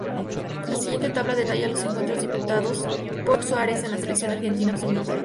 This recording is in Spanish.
La siguiente tabla detalla los encuentros disputados por Suárez en la Selección Argentina Absoluta.